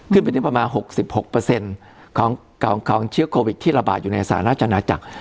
ขึ้นไปได้ประมาณ๖๖ของเชื้อโควิดที่ระบาดอยู่ในสหราชนาจักร